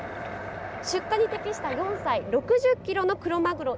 出荷に適した４歳、６０キロのクロマグロ